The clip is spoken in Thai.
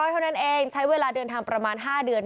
เท่านั้นเองใช้เวลาเดินทางประมาณ๕เดือน